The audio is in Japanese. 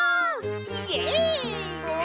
イエイ！